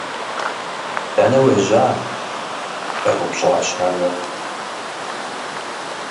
- Дэнэ уежьа? - къеупщӀащ ажэр.